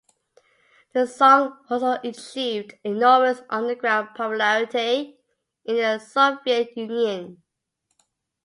The song also achieved enormous underground popularity in the Soviet Union.